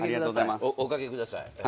お掛けください。